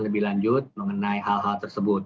lebih lanjut mengenai hal hal tersebut